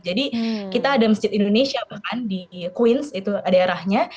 jadi kita ada masjid indonesia bahkan di queens itu ada arahnya